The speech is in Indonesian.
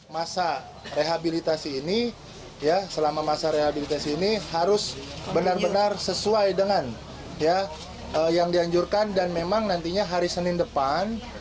masa rehabilitasi ini selama masa rehabilitasi ini harus benar benar sesuai dengan ya yang dianjurkan dan memang nantinya hari senin depan